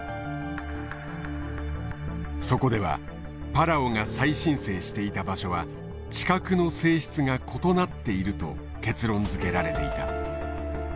そこではパラオが再申請していた場所は地殻の性質が異なっていると結論づけられていた。